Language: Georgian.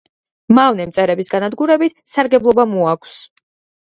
მავნე მწერების განადგურებით სარგებლობა მოაქვს.